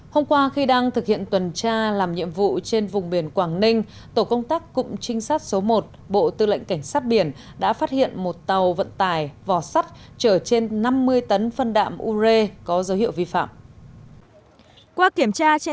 hôm qua khi đang thực hiện tuần tra làm nhiệm vụ trên vùng biển quảng ninh tổ công tác cụm trinh sát số một bộ tư lệnh cảnh sát biển đã phát hiện một tàu vận tải vỏ sắt chở trên năm mươi tấn phân đạm u rê